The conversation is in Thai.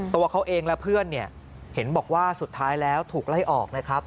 ตัวเขาเองและเพื่อนเห็นบอกว่าสุดท้ายแล้วถูกไล่ออกนะครับ